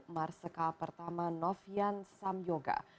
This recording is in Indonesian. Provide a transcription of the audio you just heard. marsaka pertama novian samyoga